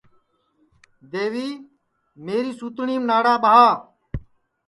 دیوی میری سوتٹؔیم ناڑا ٻاہ